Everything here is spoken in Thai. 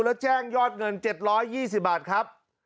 แล้วแจ้งยอดเงิน๗๒๐บาทครับ